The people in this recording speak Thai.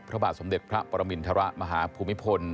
พระบาทสมเด็จพระปรมินทรมาฮภูมิพล